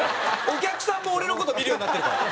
お客さんも俺の事見るようになってるから。